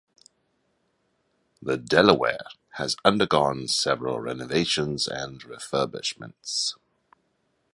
The "Delaware" has undergone several renovations and refurbishments.